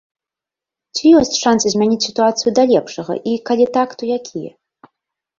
Ці ёсць шанцы змяніць сітуацыю да лепшага і, калі так, то якія?